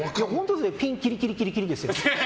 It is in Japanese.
ピンキリキリキリキリですよ。